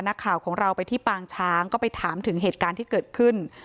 นักข่าวของเราไปที่ปางช้างก็ไปถามถึงเหตุการณ์ที่เกิดขึ้น